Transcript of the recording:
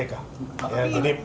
ini pertanyaan itu baiknya ke